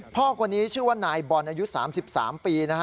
พ่อคนนี้ชื่อว่านายบอลอายุ๓๓ปีนะฮะ